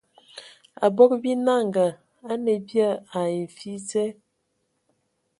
Abog binanga a nə bia ai mfi dze.